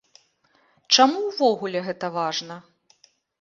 Чаму ўвогуле гэта важна?